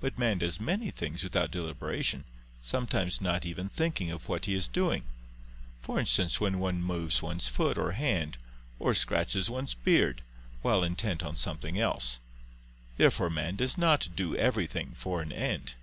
But man does many things without deliberation, sometimes not even thinking of what he is doing; for instance when one moves one's foot or hand, or scratches one's beard, while intent on something else. Therefore man does not do everything for an end.